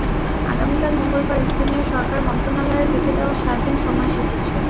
আগামীকাল মঙ্গলবার স্থানীয় সরকার মন্ত্রণালয়ের বেঁধে দেওয়া সাত দিন সময় শেষ হচ্ছে।